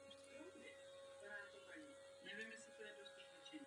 Teď jsou však nutné činy, nikoli slova.